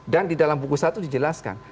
di dalam buku satu dijelaskan